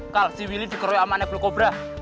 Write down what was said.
kal si wily dikeroy sama anak gokobra